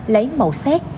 lấy mẫu xét